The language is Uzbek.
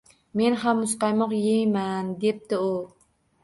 – Men ham muzqaymoq yeyman, – debdi u